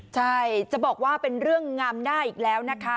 ใช่จะบอกว่าเป็นเรื่องงามหน้าอีกแล้วนะคะ